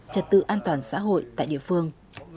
trật tự an toàn xã hội tại địa phương